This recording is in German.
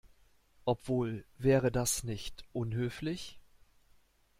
Obwohl, wäre das nicht unhöflich?